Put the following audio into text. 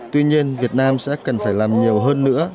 tuy nhiên việt nam sẽ cần phải làm nhiều hơn nữa